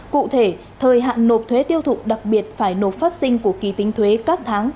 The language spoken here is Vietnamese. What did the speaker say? cụ thể thời hạn nộp thuế tiêu thụ đặc biệt phải nộp phát sinh của kỳ tính thuế các tháng